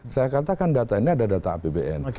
saya katakan data ini ada data apbn